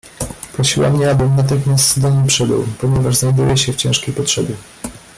"Prosiła mnie, abym natychmiast do niej przybył, ponieważ znajduje się w ciężkiej potrzebie."